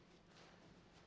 gak ada apa apa